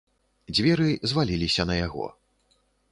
Дзверы зваліліся на яго.